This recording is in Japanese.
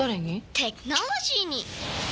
テクノロジーに！